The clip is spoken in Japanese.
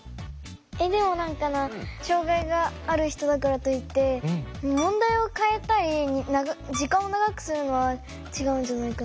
えっでも何かな障害がある人だからといって問題を変えたり時間を長くするのは違うんじゃないかな。